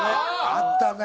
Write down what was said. あったね！